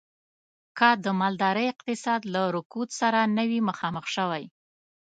که د مالدارۍ اقتصاد له رکود سره نه وی مخامخ شوی.